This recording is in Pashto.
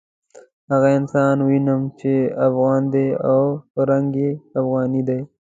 هغه انسان وینم چې افغان دی او رنګ یې افغاني دی.